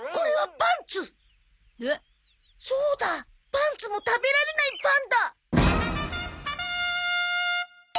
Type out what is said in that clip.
パンパン食べられないパン！